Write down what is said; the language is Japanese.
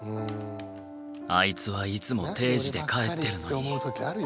あいつはいつも定時で帰ってるのに。